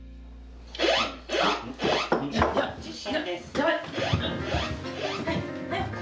やばい。